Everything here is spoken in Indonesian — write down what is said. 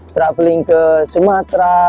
traveling ke sumatera